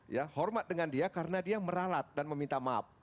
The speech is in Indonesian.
ya hormat dengan dia karena dia meralat dan meminta maaf